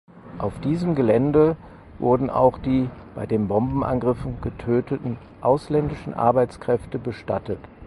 Auf diesem Gelände wurden auch die (bei den Bombenangriffen getöteten) ausländischen Arbeitskräfte bestattet.